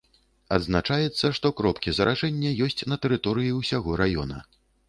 Адзначаецца, што кропкі заражэння ёсць на тэрыторыі ўсяго раёна.